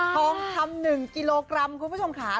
ทองคำ๑กิโลกรัมคุณผู้ชมค่ะ